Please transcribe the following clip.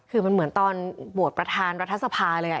คือมันเหมือนตอนโหวตประธานรัฐสภาเลย